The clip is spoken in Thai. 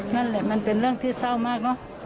นั่นแหละมันเป็นเรื่องที่เศร้ามากเนอะ